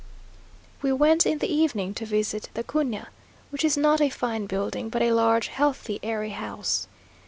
We went in the evening to visit the Cuna, which is not a fine building, but a large, healthy, airy house.